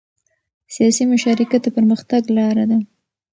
سیاسي مشارکت د پرمختګ لاره ده